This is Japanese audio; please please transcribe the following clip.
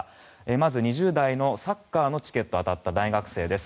まず２０代のサッカーのチケットが当たった大学生です。